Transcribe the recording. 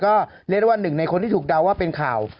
ก็เรียกว่า๑ในคนที่ถูกเดาว่าเป็นข่าว